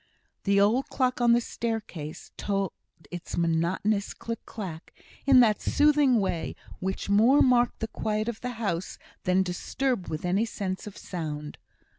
The old clock on the staircase told its monotonous click clack, in that soothing way which more marked the quiet of the house than disturbed with any sense of sound.